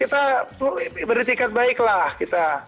kita berhenti bicara baik lah kita